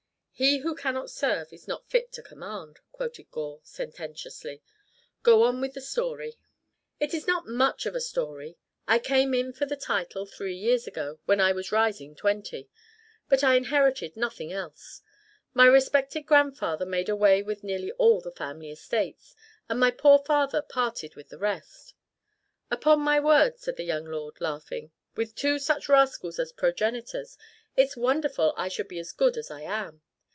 "He who cannot serve is not fit to command," quoted Gore, sententiously. "Go on with the story." "It's not much of a story. I came in for the title three years ago, when I was rising twenty. But I inherited nothing else. My respected grandfather made away with nearly all the family estates, and my poor father parted with the rest. Upon my word," said the young lord, laughing, "with two such rascals as progenitors, it's wonderful I should be as good as I am.